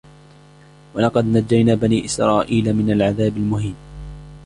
وَلَقَدْ نَجَّيْنَا بَنِي إِسْرَائِيلَ مِنَ الْعَذَابِ الْمُهِينِ